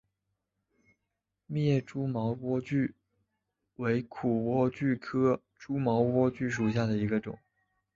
密叶蛛毛苣苔为苦苣苔科蛛毛苣苔属下的一个种。